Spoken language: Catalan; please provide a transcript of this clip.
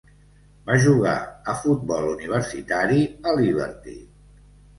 Va jugar a futbol universitari a Liberty.